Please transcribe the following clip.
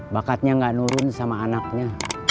bakatnya gak nurun sama anaknya